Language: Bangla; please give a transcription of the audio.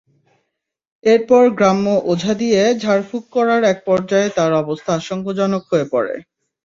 এরপর গ্রাম্য ওঝা দিয়ে ঝাড়ফুঁক করার একপর্যায়ে তার অবস্থা আশঙ্কাজনক হয়ে পড়ে।